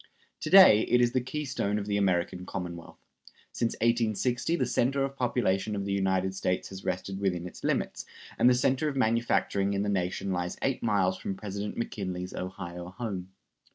To day it is the keystone of the American Commonwealth. Since 1860 the center of population of the United States has rested within its limits, and the center of manufacturing in the nation lies eight miles from President McKinley's Ohio home.